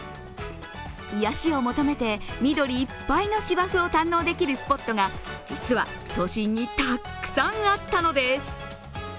癒やしを求めて緑いっぱいの芝生を堪能できるスポットが実は都心にたくさんあったのです。